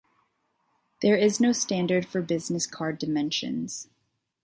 There is no standard for the business card dimensions.